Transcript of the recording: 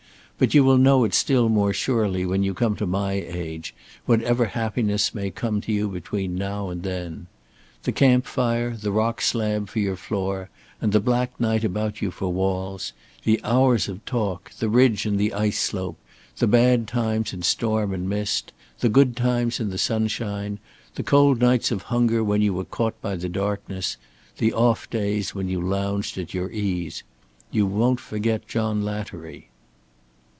But you will know it still more surely when you come to my age, whatever happiness may come to you between now and then. The camp fire, the rock slab for your floor and the black night about you for walls, the hours of talk, the ridge and the ice slope, the bad times in storm and mist, the good times in the sunshine, the cold nights of hunger when you were caught by the darkness, the off days when you lounged at your ease. You won't forget John Lattery."